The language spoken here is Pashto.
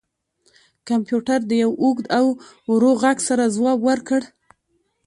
کمپیوټر د یو اوږد او ورو غږ سره ځواب ورکړ